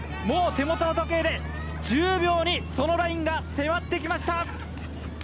もう手元の時計で、１０秒にそのラインが迫ってきました。